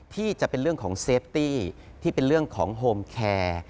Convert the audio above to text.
ที่จะเป็นเรื่องของเซฟตี้ที่เป็นเรื่องของโฮมแคร์